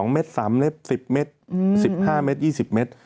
๒เมตร๓เมตร๑๐เมตร๑๕เมตร๒๐เมตร